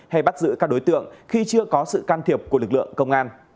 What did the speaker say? hay bắt giữ các đối tượng khi chưa có sự can thiệp của lực lượng công an